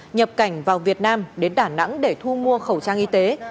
nhập cảnh vào việt nam đến đà nẵng để thu mua khẩu trang y tế